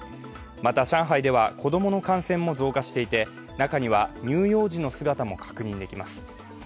また、上海では子供の感染も増加していて、中には乳幼児の姿も確認できます。